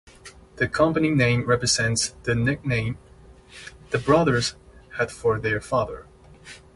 The company name represents the nickname the brothers had for their father.